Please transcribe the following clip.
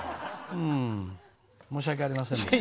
うん申し訳ありませんでした。